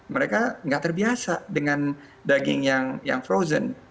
mereka nggak terbiasa dengan daging yang frozen